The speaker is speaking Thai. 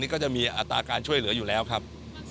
ก็จะมีอัตราการช่วยเหลืออยู่แล้วครับ